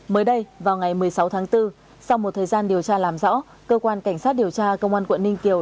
mới đây vào ngày một mươi sáu tháng bốn sau một thời gian điều tra làm rõ cơ quan cảnh sát điều tra công an quận ninh kiều